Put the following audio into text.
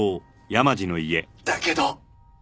だけど。